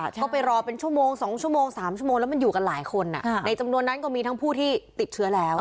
ก็ไปรอเป็นชั่วโมง๒ชั่วโมง๓ชั่วโมงแล้วมันอยู่กันหลายคนในจำนวนนั้นก็มีทั้งผู้ที่ติดเชื้อแล้ว